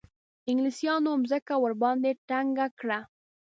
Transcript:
انګلیسیانو مځکه ورباندې تنګه کړه.